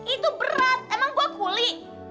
itu berat emang gua kuli